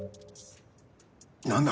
何だ？